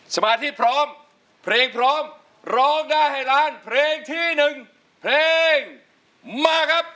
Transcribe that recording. สมาธิพร้อมเพลงพร้อมร้องได้ให้ล้านเพลงที่๑เพลงมาครับ